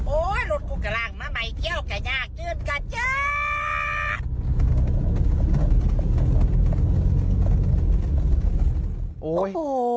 โอ้ยรถกูกำลังมาในเที่ยวกันยากขึ้นค่ะเจ๊